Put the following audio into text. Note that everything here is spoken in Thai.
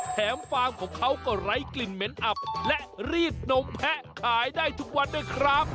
ฟาร์มของเขาก็ไร้กลิ่นเหม็นอับและรีดนมแพะขายได้ทุกวันด้วยครับ